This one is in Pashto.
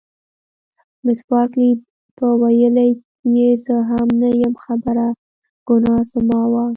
مس بارکلي: په ولې یې زه هم نه یم خبره، ګناه زما وه.